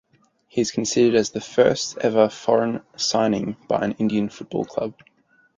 He is considered as the first ever foreign signing by an Indian football club.